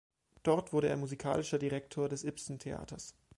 Dort wurde er musikalischer Direktor des Ibsen-Theaters.